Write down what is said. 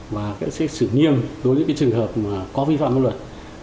và sẽ xử nghiêm đối với những cái trường hợp mà có vi phạm có luật